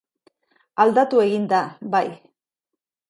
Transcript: Aldatu egin da, bai.